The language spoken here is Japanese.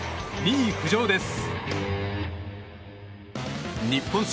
２位浮上です。